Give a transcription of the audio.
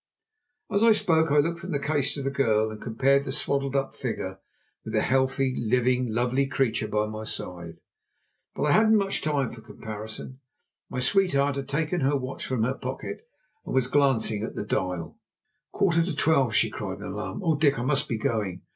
As I spoke I looked from the case to the girl and compared the swaddled up figure with the healthy, living, lovely creature by my side. But I hadn't much time for comparison. My sweetheart had taken her watch from her pocket and was glancing at the dial. "A quarter to twelve!" she cried in alarm, "Oh, Dick, I must be going.